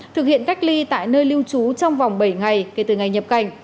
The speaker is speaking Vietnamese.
thực hiện cách ly tại nơi lưu trú trong vòng bảy ngày kể từ ngày nhập cảnh